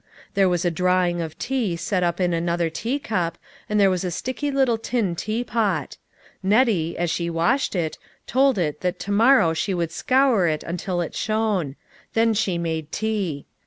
There was a drawing of tea set up in another teacup, and there was a sticky little tin teapot. Nettie, as she washed it, told it that to morrow she would scour it until it shone; then she made tea.